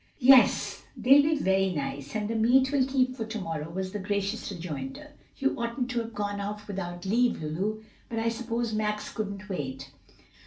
"Yes, they'll be very nice; and the meat will keep for to morrow," was the gracious rejoinder. "You oughtn't to have gone off without leave, Lulu; but I suppose Max couldn't wait."